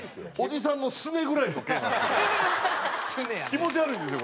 気持ち悪いんですよ